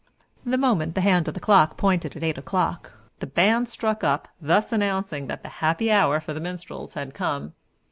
The moment the hand of the clock pointed at eight o'clock the band struck up, thus announcing that the happy hour for the minstrels had come.